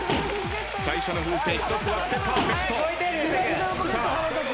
最初の風船１つ割ってパーフェクト。